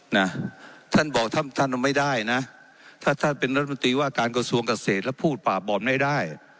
นะท่านบอกท่านท่านไม่ได้นะถ้าท่านเป็นรัฐมนตรีว่าการกระทรวงเกษตรแล้วพูดป่าบอลไม่ได้